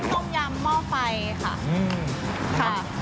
ต้มยำหม้อไฟค่ะ